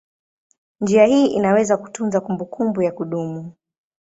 Njia hii inaweza kutunza kumbukumbu ya kudumu.